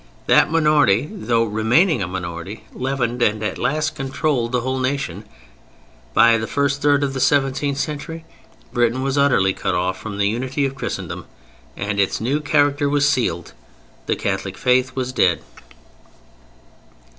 That minority, though remaining a minority, leavened and at last controlled the whole nation: by the first third of the seventeenth century Britain was utterly cut off from the unity of Christendom and its new character was sealed. The Catholic Faith was dead.